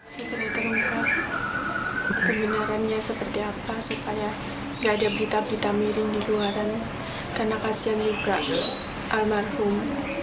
saya teringat kebenarannya seperti apa supaya gak ada berita berita miring di luar karena kasihan juga almarhum